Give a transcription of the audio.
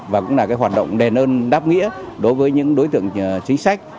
và cũng là hoạt động đền ơn đáp nghĩa đối với những đối tượng chính sách